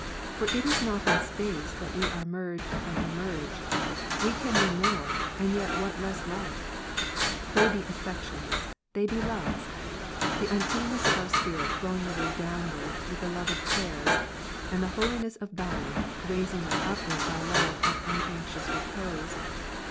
For it is not in space that we are merged and emerge. What can be more, and yet what less like ? They be affections, they be loves; the uncleanness of our spirit flowing away downwards with the love of cares, and the holiness of Thine raising us upward by love of unanxious repose '"; that we may lift our • Aug.